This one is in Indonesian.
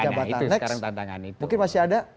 mungkin masih ada